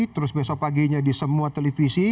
terus besok paginya di semua televisi